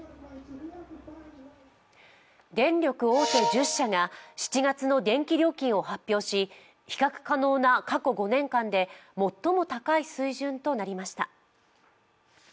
電力大手１０社が７月の電気料金を発表し比較可能な過去５年間で最も高い水準となりました。